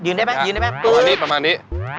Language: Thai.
เอาไป